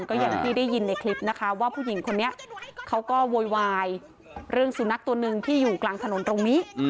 ก็อย่างที่ได้ยินในคลิปนะคะว่าผู้หญิงคนนี้เขาก็โวยวายเรื่องสุนัขตัวหนึ่งที่อยู่กลางถนนตรงนี้